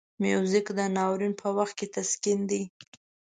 موزیک د ناورین په وخت کې تسکین دی.